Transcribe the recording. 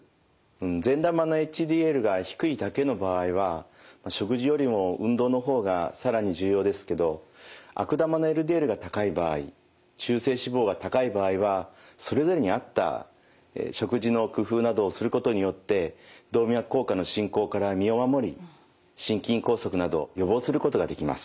善玉のＨＤＬが低いだけの場合は食事よりも運動の方が更に重要ですけど悪玉のＬＤＬが高い場合中性脂肪が高い場合はそれぞれに合った食事の工夫などをすることによって動脈硬化の進行から身を守り心筋梗塞など予防することができます。